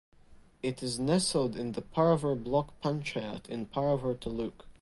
It is nestled in the Paravur Block Panchayat in Paravur Taluk.